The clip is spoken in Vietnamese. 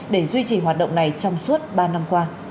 để duy trì hoạt động này trong suốt ba năm qua